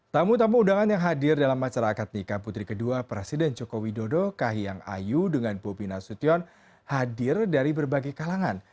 tamu tamu undangan yang hadir dalam acara akad nikah putri kedua presiden joko widodo kahiyang ayu dengan bobi nasution hadir dari berbagai kalangan